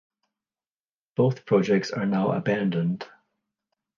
Both projects are now abandoned.